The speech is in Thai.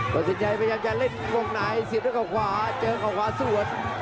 สินชัยพยายามจะเล่นวงในเสียบด้วยเขาขวาเจอเขาขวาสวน